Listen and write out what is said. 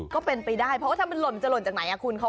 ก็เป็นไปได้เพราะว่าถ้ามันหล่นจะหล่นจากไหนคุณ